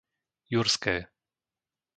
Jurské